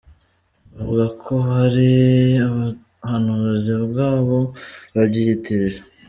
Bavuga ko hari ubuhanuzi bwabo babyiyitirira